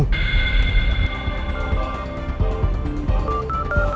asli tak berjalan